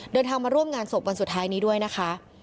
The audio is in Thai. เดินทางมาร่วมงานศพวันสุดท้ายนี้ด้วยนะคะ